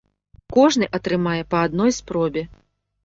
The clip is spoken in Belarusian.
Кожны атрымае па адной спробе.